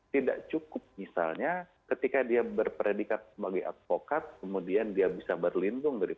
tidak cukup misalnya ketika dia berpredikat sebagai advokat kemudian dia bisa berlindung dari